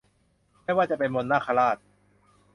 ไม่ว่าจะเป็น มนต์นาคราช